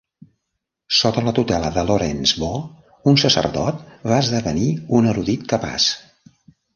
Sota la tutela de Laurence Vaux, un sacerdot, va esdevenir un erudit capaç.